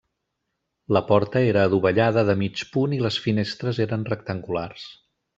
La porta era adovellada de mig punt i les finestres eren rectangulars.